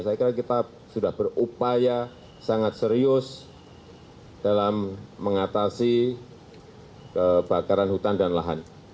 saya kira kita sudah berupaya sangat serius dalam mengatasi kebakaran hutan dan lahan